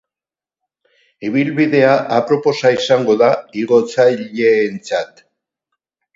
Ibilbidea aproposa izango da igotzaileentzat.